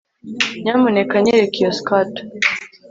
Nyamuneka nyereka iyo skirt